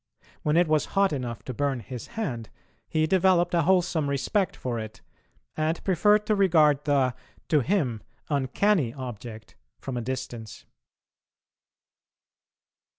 When it was hot enough to burn his hand he developed a wholesome respect for it, and preferred to regard the, to him, uncanny object from a distance.